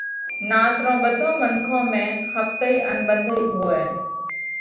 نات رون ٻڌون منکون ۾ ۿپتئِي ان ٻنڌئِي هوئہ۔